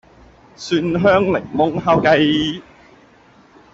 蒜香檸檬烤雞